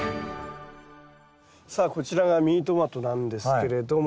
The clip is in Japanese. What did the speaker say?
さあこちらがミニトマトなんですけれども。